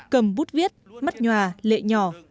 cầm bút viết mắt nhòa lệ nhỏ